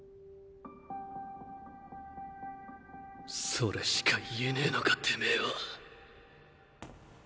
それしか言えねぇのかてめぇは。